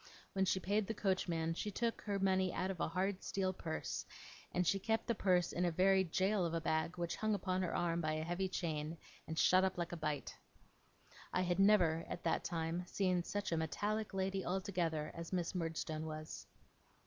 When she paid the coachman she took her money out of a hard steel purse, and she kept the purse in a very jail of a bag which hung upon her arm by a heavy chain, and shut up like a bite. I had never, at that time, seen such a metallic lady altogether as Miss Murdstone was.